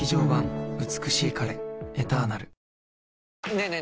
ねえねえ